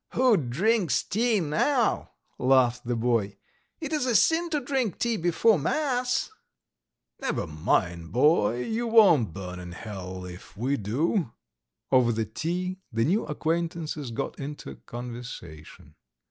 "Who drinks tea now?" laughed the boy. "It is a sin to drink tea before mass. ..." "Never mind boy, you won't burn in hell if we do. ..." Over the tea the new acquaintances got into conversation.